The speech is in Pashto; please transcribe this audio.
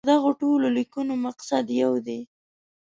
د دغو ټولو لیکنو مقصد یو دی.